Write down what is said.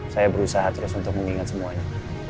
saya berusaha terus untuk mengingat semuanya